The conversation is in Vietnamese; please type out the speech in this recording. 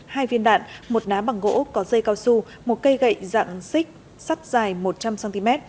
hai viên đạn một ná bằng gỗ có dây cao su một cây gậy dạng xích sắt dài một trăm linh cm